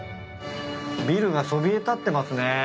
ビルがそびえ立ってますね。